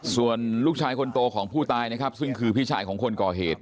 ส่วนลูกชายคนโตของผู้ตายนะครับซึ่งคือพี่ชายของคนก่อเหตุ